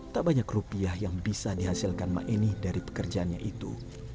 tak banyak rupiah yang bisa dihasilkan maeni dari pekerjaannya itu